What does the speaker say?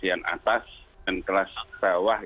yang atas dan kelas bawah